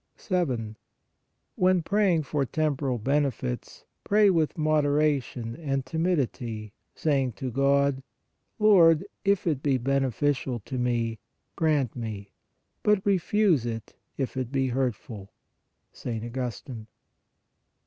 7. When praying for temporal benefits, pray with moderation and timidity, saying to God : "Lord, if it be beneficial to me, grant me ... but refuse it, if it be hurtful" (St. Augustine).